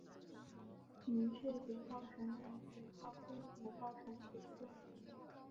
倪氏碘泡虫为碘泡科碘泡虫属的动物。